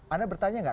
anda bertanya gak